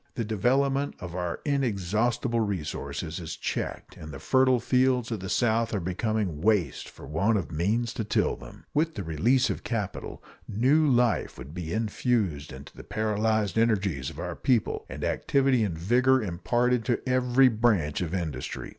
The development of our inexhaustible resources is checked, and the fertile fields of the South are becoming waste for want of means to till them. With the release of capital, new life would be infused into the paralyzed energies of our people and activity and vigor imparted to every branch of industry.